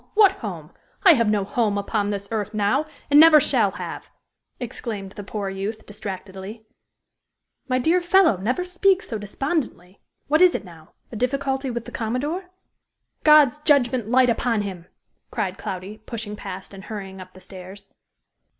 What home? I have no home upon this earth now, and never shall have!" exclaimed the poor youth, distractedly. "My dear fellow, never speak so despondently. What is it now? a difficulty with the commodore?" "God's judgment light upon him!" cried Cloudy, pushing past and hurrying up the stairs.